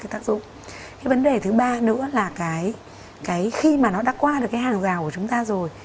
cái vấn đề thứ ba nữa là cái khi mà nó đã qua được cái hàng rào của chúng ta rồi